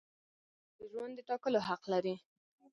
ښځه د ژوند د ټاکلو حق لري.